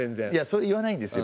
それ言わないんですよ